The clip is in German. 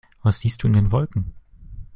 Was siehst du in den Wolken?